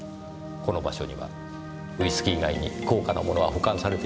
この場所にはウィスキー以外に高価なものは保管されていますか？